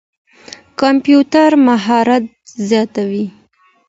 کمپيوټر مهارت زياتوي.